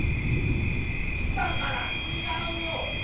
だからちがうよ！